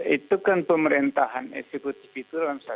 itu kan pemerintahan eksekutif itu